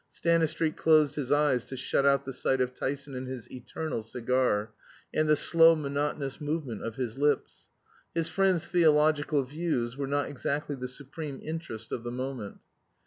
Stanistreet closed his eyes to shut out the sight of Tyson and his eternal cigar, and the slow monotonous movement of his lips. His friend's theological views were not exactly the supreme interest of the moment.